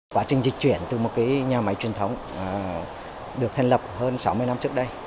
quá trình dịch chuyển từ một nhà máy truyền thống được thành lập hơn sáu mươi năm trước đây